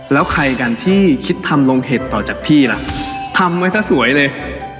แล้วใครกันที่คิดทำลงเห็ดต่อจากพี่ล่ะทำไว้ซะสวยเลย